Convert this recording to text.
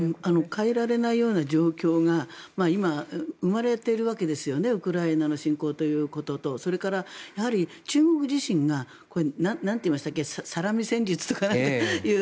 変えられないような状況が今、生まれているわけですよねウクライナの侵攻ということとそれから、中国自身がサラミ戦術とかっていう。